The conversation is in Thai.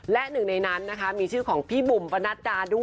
และหนึ่งในนั้นนะคะมีชื่อของพี่บุ๋มปะนัดดาด้วย